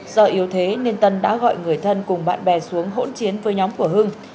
do yếu thế nên tân đã gọi người thân cùng bạn bè xuống hỗn chiến với nhóm của hưng